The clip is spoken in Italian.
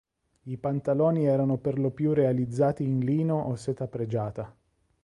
I pantaloni erano per lo più realizzati in lino o seta pregiata.